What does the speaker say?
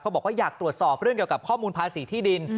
บอกว่าอยากตรวจสอบเรื่องเกี่ยวกับข้อมูลภาษีที่ดิน